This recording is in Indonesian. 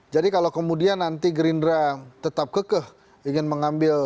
jadi kalau kemudian nanti gerindra tetap berpengalaman ya itu akan menjadi hal yang sangat penting